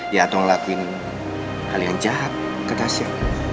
ya atau ngelakuin hal yang jahat ke tasya